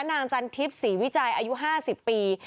จันทิพย์ศรีวิจัยอายุ๕๐ปี